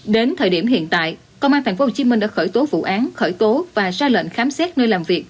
đến thời điểm hiện tại công an tp hcm đã khởi tố vụ án khởi tố và ra lệnh khám xét nơi làm việc